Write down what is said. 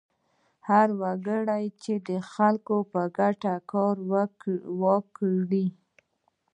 هر وګړی چې د خلکو په ګټه کار وکړي.